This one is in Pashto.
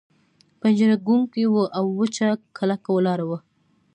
پنجره ګونګۍ وه او وچه کلکه ولاړه وه.